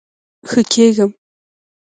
ښه کیږم